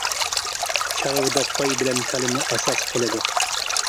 چارۋىدا قوي بىلەن كالىنى ئاساس قىلىدۇ.